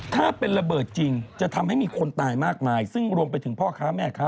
ถ้าเป็นระเบิดจริงจะทำให้มีคนตายมากมายซึ่งรวมไปถึงพ่อค้าแม่ค้า